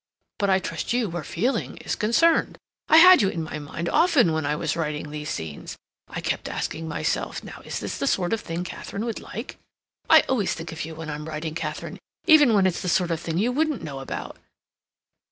But I trust you where feeling is concerned. I had you in my mind often when I was writing those scenes. I kept asking myself, 'Now is this the sort of thing Katharine would like?' I always think of you when I'm writing, Katharine, even when it's the sort of thing you wouldn't know about.